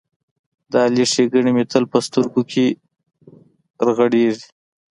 د احمد ښېګڼې مې تل په سترګو کې غړېږي.